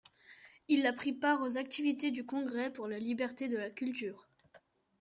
Il a pris part aux activités du Congrès pour la liberté de la culture.